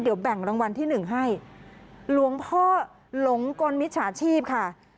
เดี๋ยวแบ่งรางวัลที่หนึ่งให้หลวงพ่อหลงกลมิจฉาชีพค่ะ